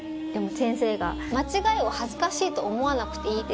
先生が「間違いを恥ずかしいと思わなくていい」って。